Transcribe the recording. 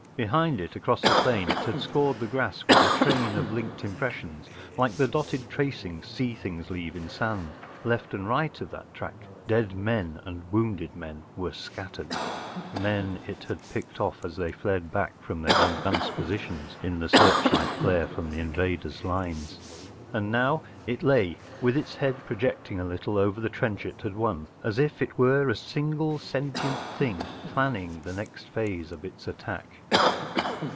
Behind it, across the plain, it had scored the grass with a train of linked impressions, like the dotted tracings sea things leave in sand. Left and right of that track dead men and wounded men were scattered—men it had picked off as they fled back from their advanced positions in the seaichlight glare from the invader’s lines. And now it lay with its head projecting a little over the trench it had won, as if it were a single sentient thing planning the next phase of its attack.